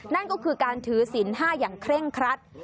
นั่นก็คือการถือศิลป์๕อย่างเคร่งครัด